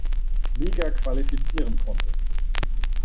Liga qualifizieren konnte.